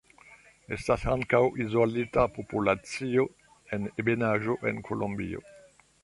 Estas ankaŭ izolita populacio en ebenaĵo en Kolombio.